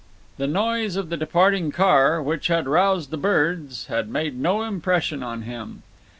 The noise of the departing car, which had roused the birds, had made no impression on him.